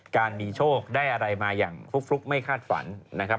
การมีโชคได้อะไรมาอย่างคลุกไม่คาดฝันนะครับ